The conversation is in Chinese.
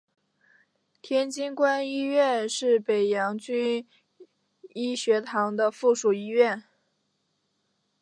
天津官医院是北洋军医学堂的附属医院。